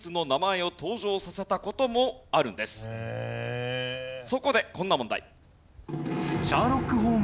そこでこんな問題。